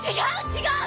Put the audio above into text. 違う！